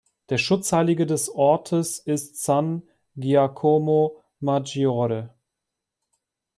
Der Schutzheilige des Ortes ist "San Giacomo Maggiore".